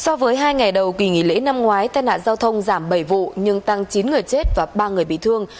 so với hai ngày đầu kỳ nghỉ lễ năm ngoái tai nạn giao thông giảm bảy vụ nhưng tăng chín người chết và ba người bị thương